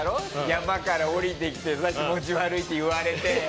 山から下りてきてさ気持ち悪いって言われて。